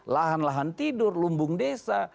lahan lahan tidur lumbung desa